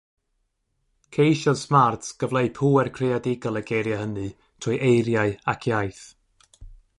Ceisiodd Smart gyfleu pŵer creadigol y geiriau hynny trwy eiriau ac iaith.